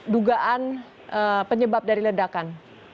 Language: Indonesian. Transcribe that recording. dugaan penyebab dari ledakan